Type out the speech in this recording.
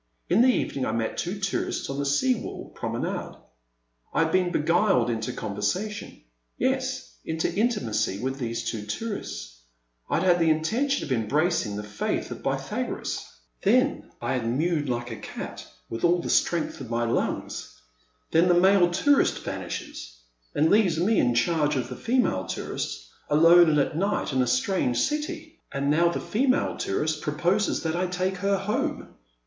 In the evening I met two tourists on the sea wall prom enade. I had been beguiled into conversation — yes, into intimacy with these two tourists ! I had had the intention of embracing the faith of Py thagoras ! Then I had mewed like a cat with all 372 The Man at the Next Table. the strength of my lungs. Then the male tourist vanishes — and leaves me in charge of the female tourist, alone and at night in a strange city ! And now the female tourist proposes that I take her home